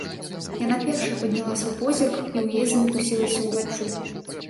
Яна першая падняла свой позірк, і ў яе замітусілася ўваччу.